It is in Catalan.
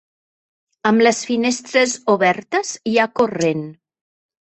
Amb les finestres obertes hi ha corrent.